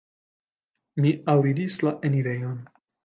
Mi aliris la enirejon.